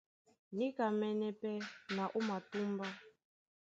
Níkamɛ́nɛ́ pɛ́ na ó matúmbá.